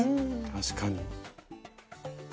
確かに。